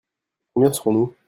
Combien serons-nous ?